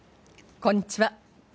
こんにちは。